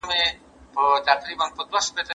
خلګ بايد له پوهانو پوښتنې وکړي.